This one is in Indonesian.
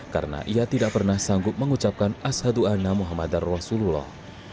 karena ia tidak pernah sanggup mengucapkan ashadu anna muhammad rasulullah